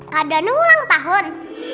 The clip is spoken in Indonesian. kak danu ulang tahun